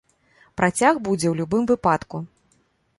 Працяг будзе ў любым выпадку.